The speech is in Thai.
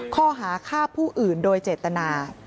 ข้อหาฆ่าผู้อื่นโดยเจตนา